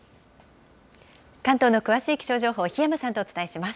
関東の詳しい気象情報、檜山さんとお伝えします。